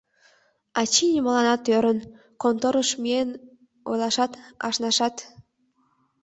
Ачий нимоланат ӧрын: конторыш миен ойлашат, ашнашат...